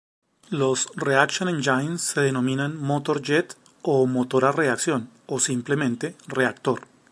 Los "reaction engines" se denominan motor jet, o motor a reacción o simplemente reactor.